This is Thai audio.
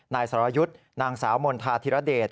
นายสรยุทธ์นางสาวมณฑาธิรเดช